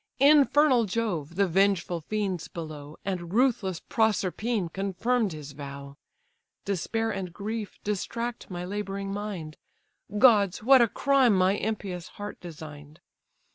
Infernal Jove, the vengeful fiends below, And ruthless Proserpine, confirm'd his vow. Despair and grief distract my labouring mind! Gods! what a crime my impious heart design'd!